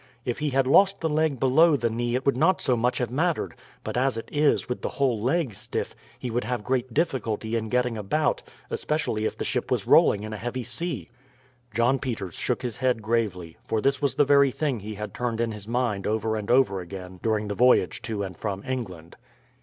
If he had lost the leg below the knee it would not so much have mattered; but as it is, with the whole leg stiff, he would have great difficulty in getting about, especially if the ship was rolling in a heavy sea." John Peters shook his head gravely, for this was the very thing he had turned in his mind over and over again during the voyage to and from England.